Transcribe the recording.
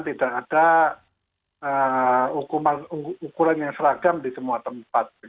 tidak ada ukuran yang seragam di semua tempat